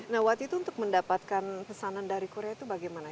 nah waktu itu untuk mendapatkan pesanan dari korea itu bagaimana